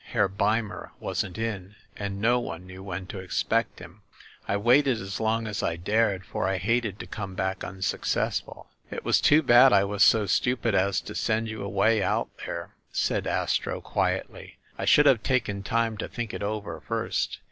"Herr Beimer wasn't "in, and no one knew when to expect him. I waited as long as I dared; for I hated to come back unsuc cessful." "It was too bad I was so stupid as to send you away out there," said Astro quietly. "I should have taken time to think it over, first.